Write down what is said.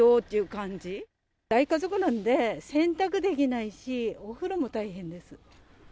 大家族なんで、洗濯できないし、お風呂も大変です。